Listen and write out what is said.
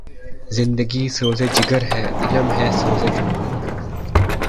زندگی سوز جگر ہے ،علم ہے سوز دماغ